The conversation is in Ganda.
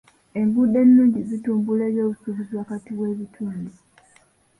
Enguudo ennungi zitumbula eby'obusuubuzi wakati w'ebitundu.